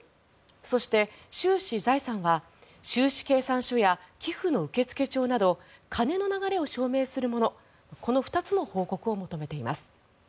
そして、収支・財産は収支計算書は寄付の受付帳など金の流れを証明するものこの２つの報告を求めています。